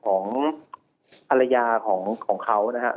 ของภรรยาของเขานะครับ